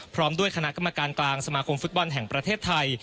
พร้อมด้วยคณะกรรมการกลางสมาคมฟุตบอลแห่งประเทศไทย